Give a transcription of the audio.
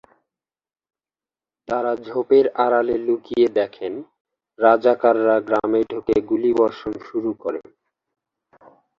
তাঁরা ঝোপের আড়ালে লুকিয়ে দেখেন, রাজাকাররা গ্রামে ঢুকে গুলিবর্ষণ শুরু করে।